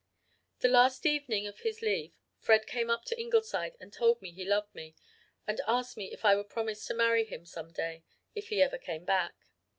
"The last evening of his leave Fred came up to Ingleside and told me he loved me and asked me if I would promise to marry him some day, if he ever came back.